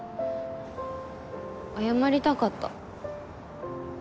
謝りたかった。